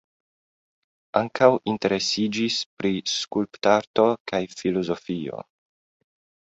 Ankaŭ interesiĝis pri skulptarto kaj filozofio.